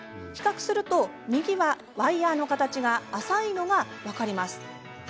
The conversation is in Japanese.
比較すると右はワイヤーの形が浅いのが分かります。